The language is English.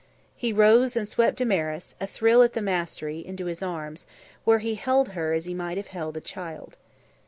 He rose and swept Damaris, a thrill at the mastery, into his arms, where he held her as he might have held a child.